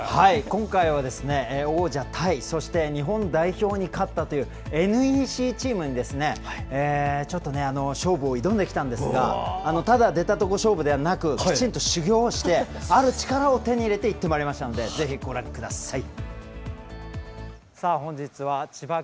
今回は、王者タイそして日本代表に勝ったというＮＥＣチームに勝負を挑んできたんですがただ、出たとこ勝負ではなくきちんと修行してある力を手に入れていったのでぜひご覧ください。